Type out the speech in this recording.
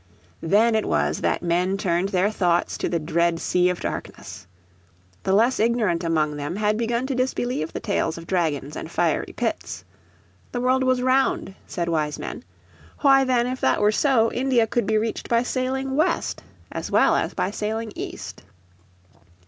Then it was that men turned their thoughts to the dread Sea of Darkness. The less ignorant among them had begun to disbelieve the tales of dragons and fiery pits. The world was round, said wise men. Why then, if that were so, India could be reached by sailing west as well as by sailing east.